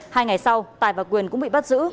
hai ngày sau tài và quyền cũng bị bắt giữ